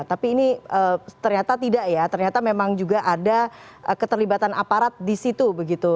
tapi ini ternyata tidak ya ternyata memang juga ada keterlibatan aparat di situ begitu